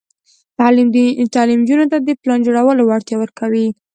تعلیم نجونو ته د پلان جوړولو وړتیا ورکوي.